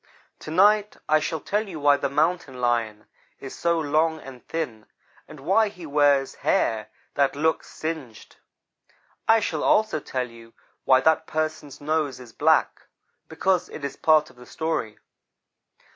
To night I shall tell you why the Mountain lion is so long and thin and why he wears hair that looks singed. I shall also tell you why that person's nose is black, because it is part of the story.